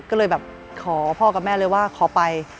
ก็เลยแบบขอพ่อกับแม่เลยว่าขอไป